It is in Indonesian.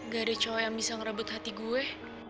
gak ada cowok yang bisa ngerebut hati gue